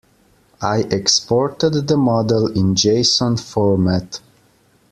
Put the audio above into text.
I exported the model in json format.